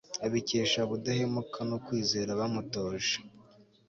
abikesha ubudahemuka n'ukwizera bamutoje